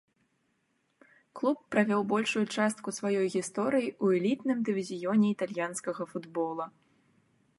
Клуб правёў большую частку сваёй гісторыі ў элітным дывізіёне італьянскага футбола.